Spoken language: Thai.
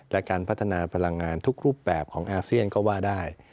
และการพัฒนาพลังงานทุกรูปแบบของอาเซียนก็ว่าได้